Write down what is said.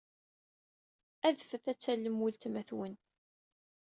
Adfet ad tallem weltma-twen.